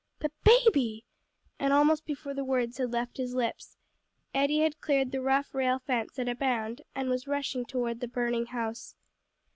"The baby?" and almost before the words had left his lips, Eddie had cleared the rough rail fence at a bound, and was rushing toward the burning house.